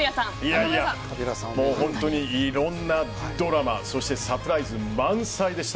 本当に、いろんなドラマそしてサプライズ満載でした。